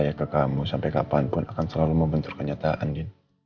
karena kamu sampai kapanpun akan selalu membentur kenyataan din